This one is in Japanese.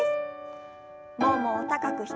ももを高く引き上げて。